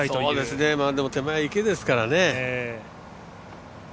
でも、手前は池ですからね。